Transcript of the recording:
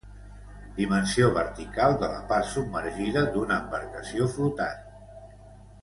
Dimensió vertical de la part submergida d'una embarcació flotant.